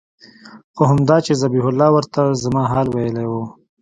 خو همدا چې ذبيح الله ورته زما حال ويلى و.